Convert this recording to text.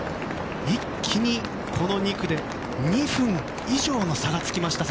一気にこの２区で２分以上の差がつきました。